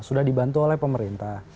sudah dibantu oleh pemerintah